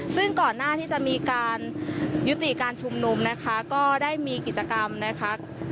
ซึ่งก่อนหน้าที่จะมีการยุติการชุมนุมนะคะก็ได้มีกิจกรรมนะคะ